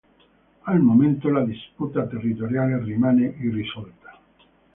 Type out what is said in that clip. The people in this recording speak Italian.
Al momento la disputa territoriale rimane irrisolta.